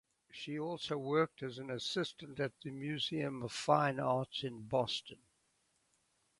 She also worked as an assistant at the Museum of Fine Arts in Boston.